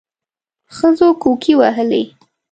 ښځو کوکي وهلې.